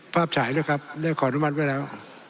ฉายด้วยครับได้ขออนุมัติไว้แล้ว